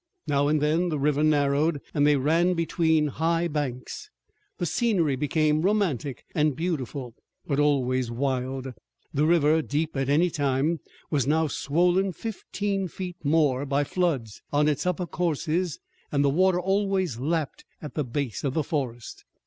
Now and then the river narrowed and they ran between high banks. The scenery became romantic and beautiful, but always wild. The river, deep at any time, was now swollen fifteen feet more by floods on its upper courses, and the water always lapped at the base of the forest.